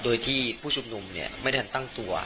โดยที่ผู้ชุดหนุ่มเนี่ยไม่ได้ทันตั้งตัว